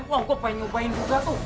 wah kau pengen nyobain juga